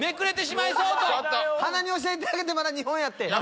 鼻に教えてあげてまだ２本やって。